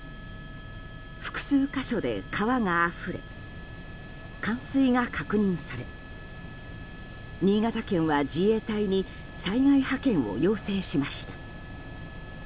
複数箇所で川があふれ冠水が確認され新潟県は自衛隊に災害派遣を要請しました。